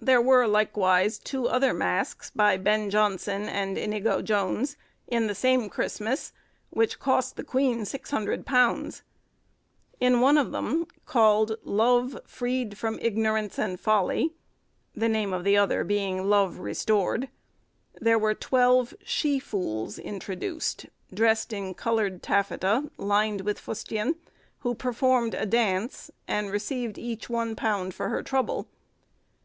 There were, likewise, two other masks, by Ben Jonson and Inigo Jones, in the same Christmas, which cost the queen £600. In one of them, called, 'Love freed from Ignorance and Folly'—the name of the other being 'Love Restored'—there were twelve she fools introduced, dressed in coloured taffeta, lined with fustian, who performed a dance, and received each £1 for her trouble.